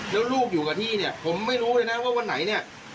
แล้วลูกอยู่กับที่เนี่ยผมไม่รู้เลยนะว่าวันไหนเนี่ย